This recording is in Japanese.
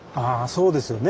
そうですよね